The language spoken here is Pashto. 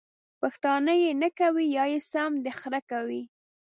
پښتانه ېې یا نکوي یا يې سم د خره کوي!